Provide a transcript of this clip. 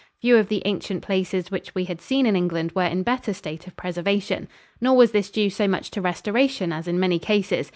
Few of the ancient places which we had seen in England were in better state of preservation. Nor was this due so much to restoration as in many cases.